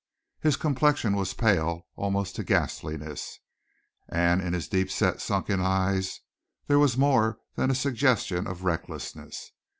His complexion was pale almost to ghastliness, and in his deep set, sunken eyes there was more than a suggestion of recklessness.